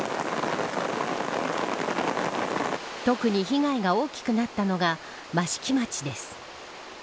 特に被害が大きくなったのが益城町です。